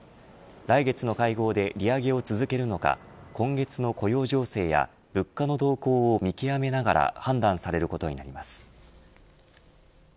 来月の会合で利上げを続けるのか今月の雇用情勢や物価の動向を見極めながら判断されることになります。